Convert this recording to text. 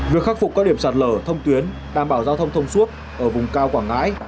việc khắc phục các điểm sạt lở thông tuyến đảm bảo giao thông thông suốt ở vùng cao quảng ngãi